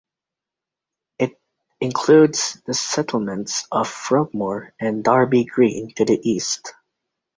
It includes the settlements of Frogmore and Darby Green to the east.